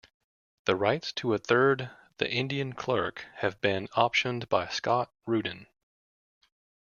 The rights to a third, "The Indian Clerk", have been optioned by Scott Rudin.